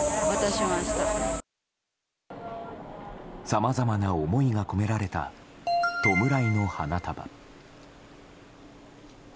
さまざまな思いが込められた弔いの花束。